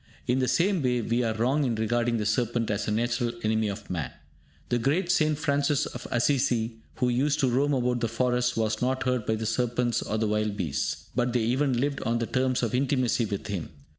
In the same way, we are wrong in regarding the serpent as a natural enemy of man. The great St. Francis of Asissi, who used to roam about the forests, was not hurt by the serpents or the wild beasts, but they even lived on terms of intimacy with him.